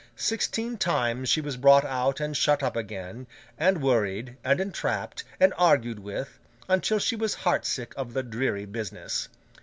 Sixteen times she was brought out and shut up again, and worried, and entrapped, and argued with, until she was heart sick of the dreary business.